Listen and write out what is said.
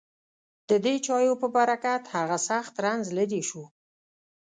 ددې چایو په برکت هغه سخت رنځ لېرې شو.